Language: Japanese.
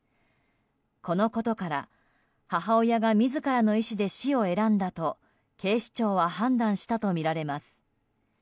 このことから母親が自らの意思で死を選んだと警視庁は判断したとみられます。